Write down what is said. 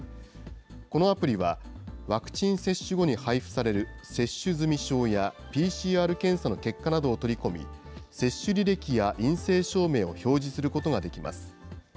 このアプリはワクチン接種後に配布される接種済証や、ＰＣＲ検査の結果などを取り込み、接種履歴や陰性証明を表示することができます。